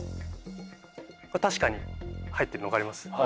確かに入っているの分かります？